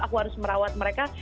aku harus merawat mereka